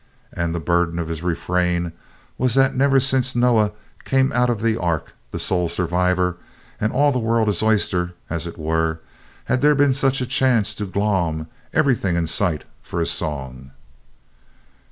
And the burden of his refrain was that never since Noah came out of the ark, "the sole survivor," and all the world his oyster, as it were, had there been such a chance to "glom" everything in sight for a song.